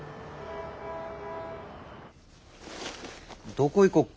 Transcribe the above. どこ行こっか？